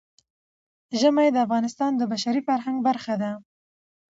ژمی د افغانستان د بشري فرهنګ برخه ده.